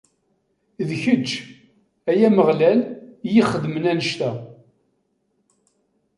D kečč, ay Ameɣlal, i ixedmen annect-a.